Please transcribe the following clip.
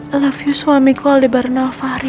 i love you suamiku aldebaran alfari